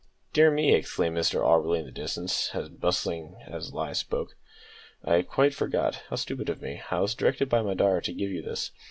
"Dear me!" exclaimed Mr Auberly in the distance, and bustling back as lie spoke; "I quite forgot; how stupid of me! I was directed by my daughter to give you this."